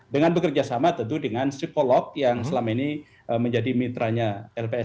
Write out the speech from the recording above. dengan bekerja sama tentu dengan psikolog yang selama ini menjadi mitranya lps